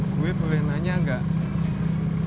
gue boleh nanya gak